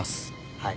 はい。